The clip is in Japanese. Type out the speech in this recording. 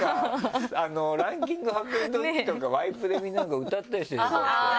ランキング発表のときとかワイプでみんなが歌ったりしてるじゃんこうやって。